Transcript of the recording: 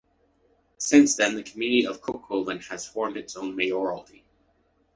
Since then, the community of Kückhoven has formed its own Mayoralty.